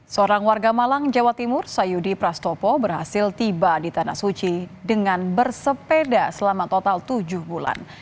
seorang warga malang jawa timur sayudi prastopo berhasil tiba di tanah suci dengan bersepeda selama total tujuh bulan